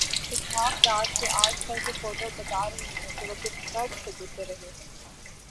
اسحاق ڈار کے آج کل کے فوٹوبتا رہے ہیں کہ وہ کس کرب سے گزر رہے ہیں۔